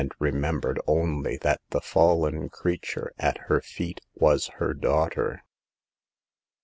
remembered only that the fallen creature at her feet was her daughter.